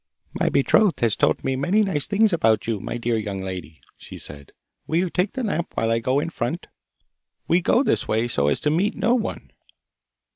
'My betrothed has told me many nice things about you, my dear young lady,' she said. 'Will you take the lamp while I go in front? We go this way so as to meet no one.